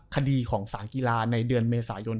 คดีของสารกีฬาในเดือนเมษายน